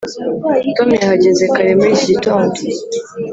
tom yahageze kare muri iki gitondo.